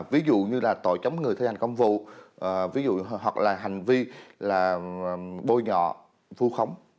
ví dụ như là tội chống người thi hành công vụ ví dụ hoặc là hành vi là bôi nhọ thu khống